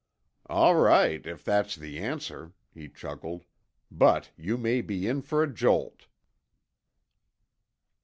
"All right, if that's the answer." He chuckled. "But you may be in for a jolt."